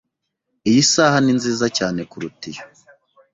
Iyi saha ni nziza cyane kuruta iyo.